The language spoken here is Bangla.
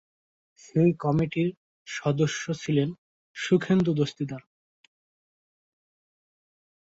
সেই কমিটির সদস্য ছিলেন সুখেন্দু দস্তিদার।